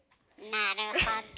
なるほど。